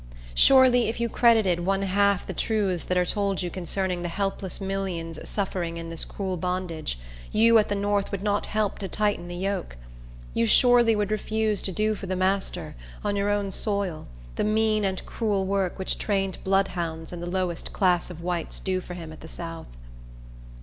Surely, if you credited one half the truths that are told you concerning the helpless millions suffering in this cruel bondage, you at the north would not help to tighten the yoke. You surely would refuse to do for the master, on your own soil, the mean and cruel work which trained bloodhounds and the lowest class of whites do for him at the south.